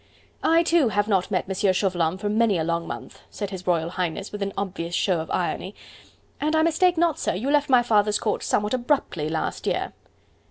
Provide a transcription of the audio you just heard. "I, too, have not met M. Chauvelin for many a long month," said His Royal Highness with an obvious show of irony. "And I mistake not, sir, you left my father's court somewhat abruptly last year."